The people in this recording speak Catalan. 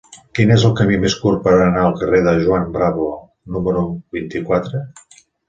Quin és el camí més curt per anar al carrer de Juan Bravo número vint-i-quatre?